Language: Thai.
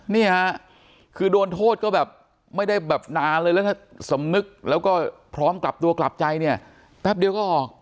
เนี่ยคือโดนโทษก็แบบไม่ได้แบบนานเลยแล้วถ้าสำนึกแล้วก็พร้อมกลับตัวกลับใจเนี่ยแป๊บเดียวก็ออก